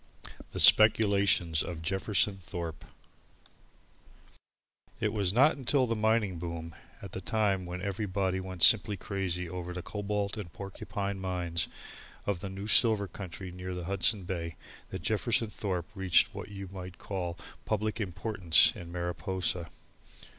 The Speculations of Jefferson Thorpe It was not until the mining boom, at the time when everybody went simply crazy over the Cobalt and Porcupine mines of the new silver country near the Hudson Bay, that Jefferson Thorpe reached what you might call public importance in Mariposa.